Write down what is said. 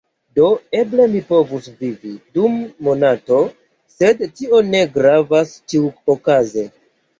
Do, eble mi povus vivi dum monato sed tio ne gravas ĉiuokaze